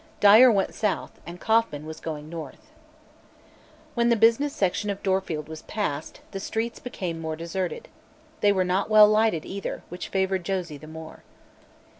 Dyer went south and Kauffman was going north. When the business section of Dorfield was passed, the streets became more deserted. They were not well lighted either, which favored Josie the more.